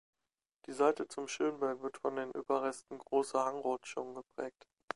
Die Seite zum Schönberg wird von den Überresten großer Hangrutschungen geprägt.